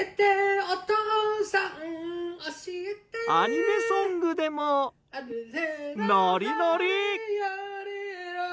アニメソングでもノリノリ。